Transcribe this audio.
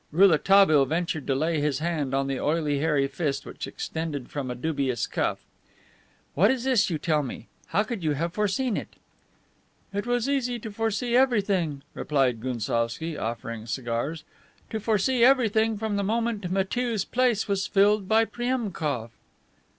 Rouletabille ventured to lay his hand on the oily, hairy fist which extended from a dubious cuff. "What is this you tell me? How could you have foreseen it?" "It was easy to foresee everything," replied Gounsovski, offering cigars, "to foresee everything from the moment Matiew's place was filled by Priemkof."